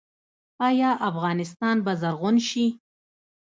آیا افغانستان به زرغون شي؟